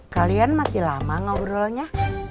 kalian masih lama ngobrolnya